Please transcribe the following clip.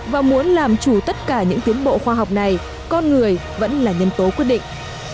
và muốn làm chủ tất cả những tiến bộ khoa học này con người vẫn là nhân tố quyết định